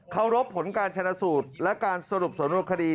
เคารพผลการชัดละสูตรและการสรุปสนุนคดี